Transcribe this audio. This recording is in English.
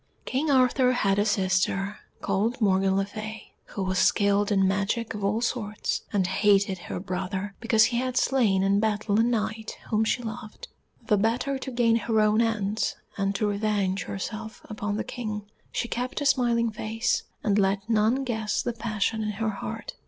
King Arthur had a sister called Morgan le Fay, who was skilled in magic of all sorts, and hated her brother because he had slain in battle a Knight whom she loved. The better to gain her own ends, and to revenge herself upon the King, she kept a smiling face, and let none guess the passion in her heart.